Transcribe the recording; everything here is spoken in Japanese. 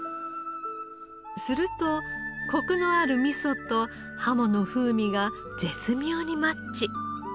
するとコクのある味噌とハモの風味が絶妙にマッチ。